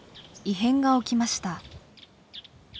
異変が起きました。